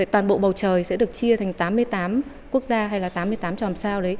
toàn bộ bầu trời sẽ được chia thành tám mươi tám quốc gia hay là tám mươi tám tròm sao đấy